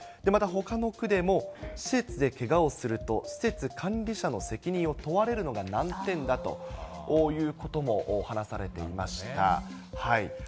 またほかの区でも、施設でけがをすると、施設管理者の責任を問われるのが難点だということも話されていました。